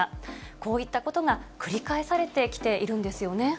こういったことが繰り返されてきているんですよね。